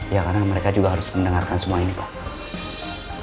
ya karena mereka juga harus mendengarkan semua ini pak